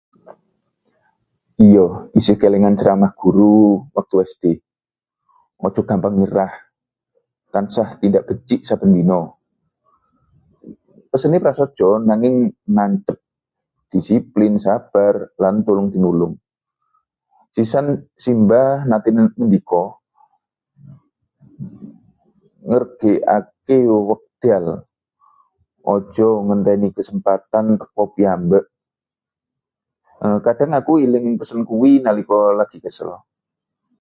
"Yo, isih kelingan ceramah guru wektu SD: ""Aja gampang nyerah, tansah tindak becik saben dina."" Pesane prasaja nanging nancep—disiplin, sabar, lan tulung-tinulung. Sisan simbah nate ngendika: ""Ngargèkaken wekdal, aja ngenteni kesempatan teka piyambak."" Kadhang aku eling pesen kuwi nalika lagi kesel."